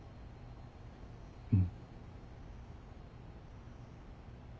うん。